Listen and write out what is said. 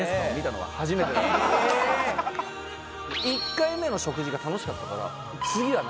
１回目の食事が楽しかったから「次は何？